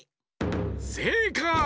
せいかい！